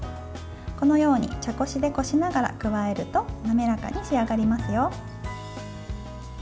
このように茶こしでこしながら加えると滑らかに仕上がりますよ。